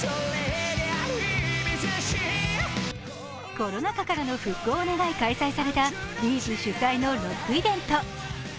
コロナ禍からの復興を願い開催されたＢ’ｚ主催のロックイベント。